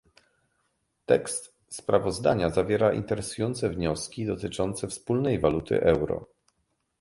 Tekst sprawozdania zawiera interesujące wnioski dotyczące wspólnej waluty - euro